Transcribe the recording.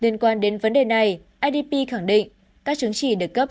liên quan đến vấn đề này idp khẳng định các chứng chỉ được cấp